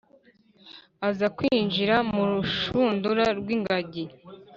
aza kwinjira mu rushundura rw'ingagi